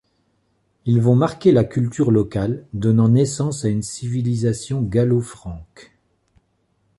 Ils vont marquer la culture locale, donnant naissance à une civilisation gallo-franque.